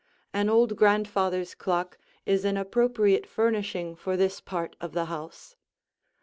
An old grandfather's clock is an appropriate furnishing for this part of the house.